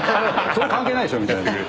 それ関係ないでしょみたいに。